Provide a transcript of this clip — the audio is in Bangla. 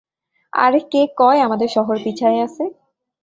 আরে কে কয় আমাদের শহর পিছায়ে আছে?